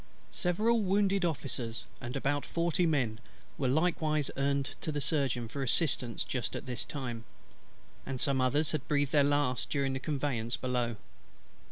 Several wounded Officers, and about forty men, were likewise earned to the Surgeon for assistance just at this time; and some others had breathed their last during their conveyance below.